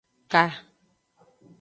Ka.